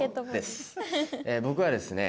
僕はですね